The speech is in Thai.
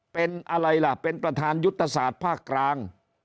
เป็นอะไรล่ะเป็นประธานยุทธศาสตร์ภาคกลาง